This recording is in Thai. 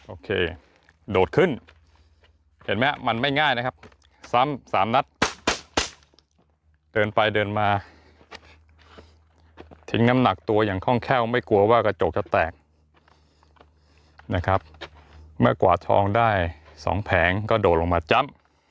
โอเคโดดขึ้นเห็นไหมมันไม่ง่ายนะครับซ้ำสามนัดเดินไปเดินมาทิ้งน้ำหนักตัวอย่างคล่องแคล่วไม่กลัวว่ากระจกจะแตกนะครับเมื่อกว่าทองได้สองแผงก็โดดลงมาจ้ำ